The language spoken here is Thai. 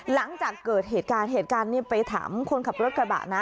หลังจากเกิดเหตุการณ์เหตุการณ์นี้ไปถามคนขับรถกระบะนะ